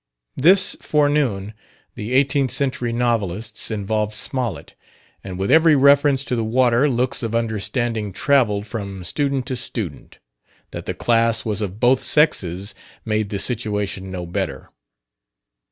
This forenoon the "Eighteenth Century Novelists" involved Smollett, and with every reference to the water looks of understanding traveled from student to student: that the class was of both sexes made the situation no better.